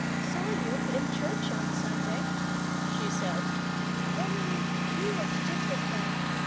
"Saw you in church on Sunday," she said; "only you looked different then.